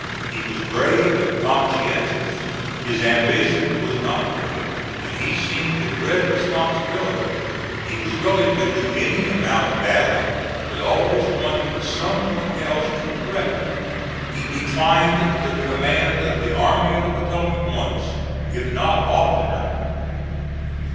He was brave and conscientious. His ambition was not great, and he seemed to dread responsibility. He was willing to do any amount of battling, but always wanted some one else to direct. He declined the command of the Army of the Potomac once, if not oftener.